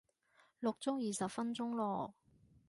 錄足二十分鐘咯